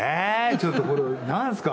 ちょっとこれなんですか？